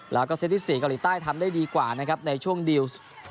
แล้วก็เซตที่๔เกาหลีใต้ทำได้ดีกว่านะครับในช่วงดิวส์